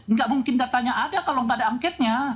ya nggak mungkin datanya ada kalau nggak ada angketnya